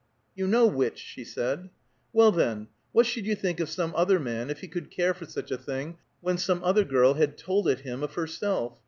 "You know which!" she said. "Well, then, what should you think of some other man if he could care for such a thing, when some other girl had told it him of herself?